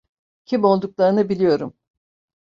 Kim olduklarını biliyorum.